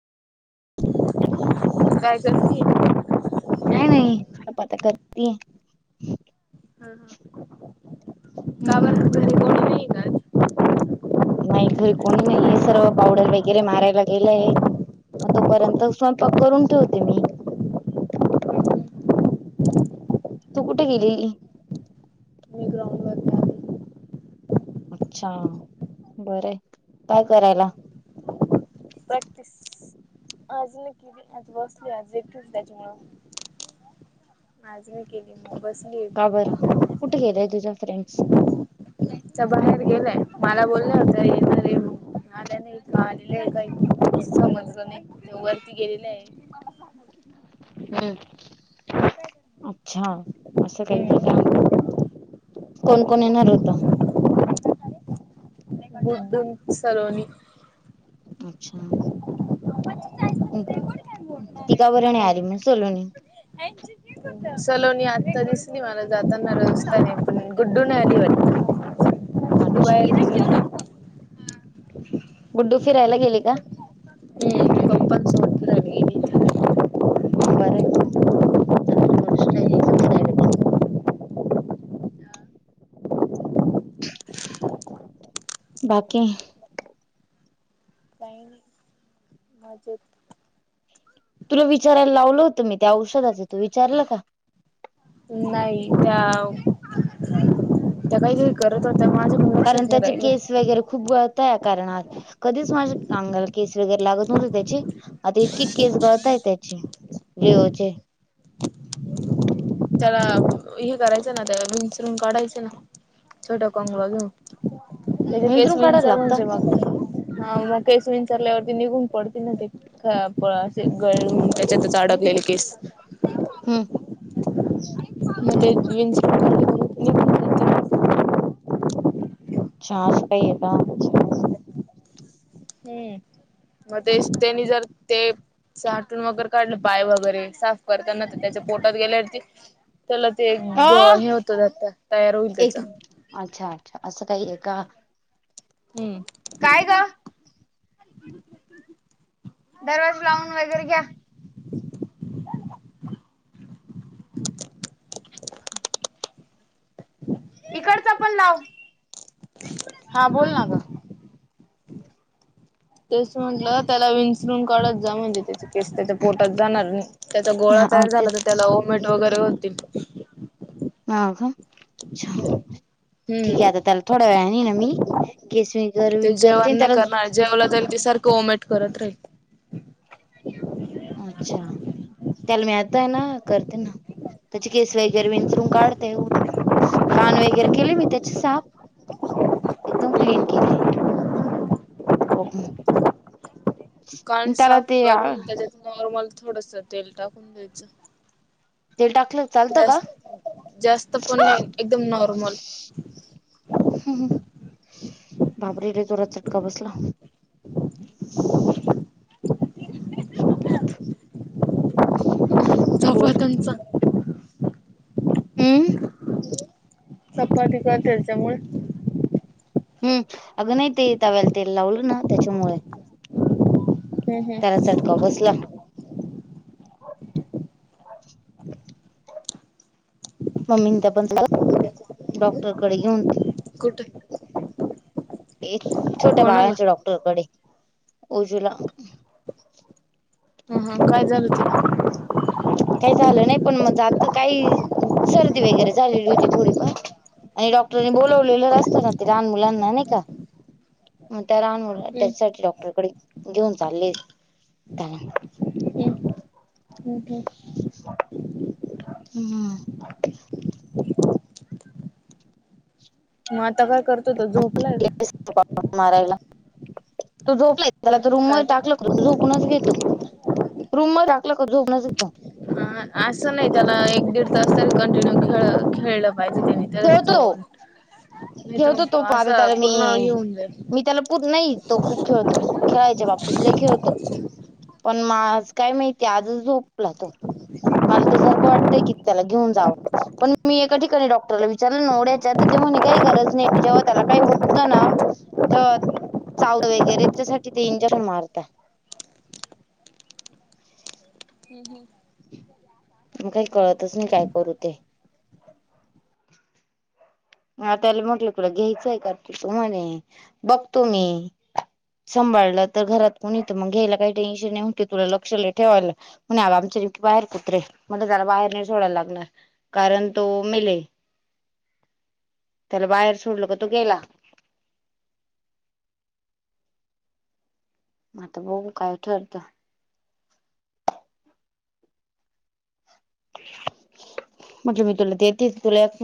काय गती काय नाही हप आता करते हा हम हम् हम् नाही का आज? नाही खरी कोणी नाही हे सर्व पावडर वगैरे मारायला गेलंय मग तोपर्यंत स्वयंपाक करून ठेवते मी तू कुठे गेलेली ग्रावर अच्छा बर काय करायला बते आज न कि आज बसली आज एकच त्याच्यामुळं माज म केली मग बसली का बरं कुठे गेलंय तुझ्या फ्रेंड्स तर बाहेर गेलंय मला बोलले होत येणारे आल्या नाही इथ आलेलं आहे का क समजलं नाही वरती गेलेलं आहे हम् अच्छा असं काही जगा कोण कोण येणार होत क उद्धुम सलो अच्छा ह तीकाापराणी आरमु सोोलून अज क चलोनी आत्ता दिसली मला जाताना रजतानी पण गुड्डून आली वाटली ह अच्छा गुड्डू फिरायला गेली का हम्म पप्पांसोबत फिरायला गेली बरं आहे म चांगली गोष्ट आहे गुड्डू फिरायला गेली बाकी का माजेत तुला विचारायला लावलं होतं मी त्या औषधाच तू विचारलं का नाही त्या त्या काहीतरी करत होत्या माझ्या कारण लक्षात नाही त्याचे केस राहिलं वगैरे खूप ग कारणात कधीच माझ चांगला केस वगैरे लागत नव्हते त्याचे आता इतकी केस गळतय त्याचे िओोचे त्याला हे करायचं ना त्या मिनसरून काढायचं ना छोट कोंग ब घेऊन पहिले केस विंचरून काढायला विंचर मग लागत जे हा मंग केस विंचरल्यावर निघून पडतील मंग ते ह प असे गळून त्याच्यात अडकलेले केस हम्म [inaudible] अच्छ असं काही आहे का हम्म मग ते त्यांनी जर ते साटून वगैरे काढलं पाय वगैरे साफ करताना तर त्याच्या पोटात गेल्यावरती त्याला ते अ हे होतं ात तयार होईल एक त्याचा अच्छा अच्छा असं काही आहे का हम्म काय का दरवाज लावून वगैरे घ्या ह इकडच आपण लाव हा बोल ना ग तस म्हटलं का त्याला वि सरून काढत जा म्हणजे त्या केस त्याच्या पोटात जाणार त्याचा गोळा हा तयार झाला तेच तर त्याला मट वैर गोतल म का अच्छा ठीक हम्म आहे आता त्याला थोड्या वेळाने ना मी केस विंचरते आणि त्याला माया जेवला त्या सारखं ओमेट करत राहील अच्छा त्याला मी आता हें ना करते ना त्याचे केस वगैरे विंचरून काढते कान वगैरे केले मी त्याचे साफ एकदम क्लीन केले आता बघूया कान साफ ते करून त्याच्यात नॉर्मल थोडंस तेल टाकून द्यायचं तेल टाकलं चालतं जा का जास्त पण नाही एकदम नॉर्मल बाबरे लई जोरात चटका बसला [inaudible] स्वतंचा हं चपाती करतच्या मळ हम् अग नाही ते तव्याला तेल लावलं ना त्याच्यामुळे हम्म त्याला हम्म चटका बसला मम्मी नं डॉक्टर कडे घेऊन कुठ ए छोट्या बाळांच्या डॉक्टरकडे उजूला हम हम काय झालं तेला काही झालं नाही पण मग आता काही सर्दी वगैरे झालेली होती थोडीफार आणि डॉक्टरनी बोलावलेलं असतं ना ते लहान मुलांना नाही का मग त्या लहान मुलांना हम्म त्याच्यासाठी डॉक्टरकडे घेऊन चालले त्याला हम्म हम् हम्म हम् हम्म [inaudible] मग आता काय करतो तो झोपलाय का पटापट मारायला तो झोपलाय त्याला त रूम काय मध्ये काय टाकला झोपूनच घेतो रूम मध्ये टाकलं का झोपला स्वतः असं नाही त्याला एक दीड तास तर कंटिन्यू खेळ खेळलं पाहिजे खेळतो त्यानी [inaudible] खेळतो तो पा आता त्याला मी पूर्ण हे होऊन जाईल. मी त्याला पू नाही तो खूप खेळतो खेळायचे बा् ततले खेळतो पण माज काय माहिती आजच झोपला तो मला तर सारखं वाटतंय की त्याला घेऊन जावं पण मी एका ठिकाणी डॉक् ला विचार नोढ्याच्या तर ते म्हणे काही गरज नाही जेव्हा त्याला काही होतं ना तर चावलं वगैरे त्याच्यासाठी ते इंजेन मारता. हम्म्म्म हम्म! मग काय कळतच नाही काय करू ते. हा त्याला म्हटलं तुला घ्यायचंय का तो म्हणे बघतो मी. सांभाळलं तर घरात कोणी हुतं मग घ्यायला काही टेन्शन नाही तुला लक्ष लयं ठेवायला. पण आरामशीरी बाहेर कुत्रे मग जरा बाहेर नाही सोडायला लागणार कारण तो मेले. त्याला बाहेर सोडल तर तो गेला. आता बघु काय खेळत. म्हणजे मी तुला देते तुला.